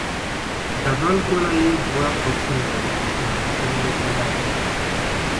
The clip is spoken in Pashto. ډبل ګولایي دوه قوسونه لري چې مرکزونه یې جلا دي